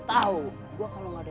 terima kasih nyai